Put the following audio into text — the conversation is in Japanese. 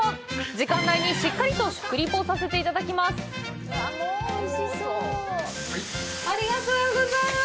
時間内にしっかりと食リポさせていただきます！